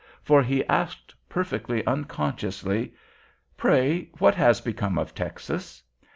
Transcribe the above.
For he asked perfectly unconsciously. "Pray, what has become of Texas?